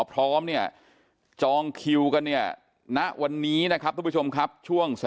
พร้อมเนี่ยจองคิวกันเนี่ยณวันนี้นะครับทุกผู้ชมครับช่วง